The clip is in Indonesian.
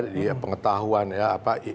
di pengetahuan ya